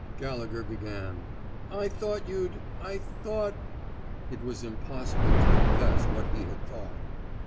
'' Gallegher began: ''I thought you'd — I thought —" It was impossible to confess what he had thought.